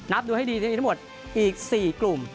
ดูให้ดีที่มีทั้งหมดอีก๔กลุ่ม